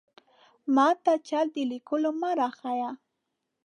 ماته چل د ليکلو مۀ راښايه!